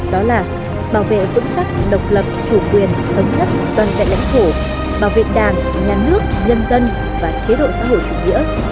đó là bảo vệ vững chắc độc lập chủ quyền thống nhất toàn vẹn lãnh thổ bảo vệ đảng nhà nước nhân dân và chế độ xã hội chủ nghĩa